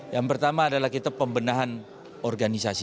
yang pertama adalah kita pembenahan organisasi